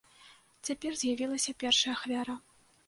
Цяпер з'явілася першая ахвяра.